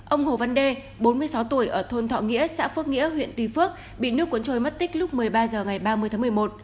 ông hồ văn đê bốn mươi sáu tuổi ở thôn thọ nghĩa xã phước nghĩa huyện tuy phước bị nước cuốn trôi mất tích lúc một mươi ba h ngày ba mươi tháng một mươi một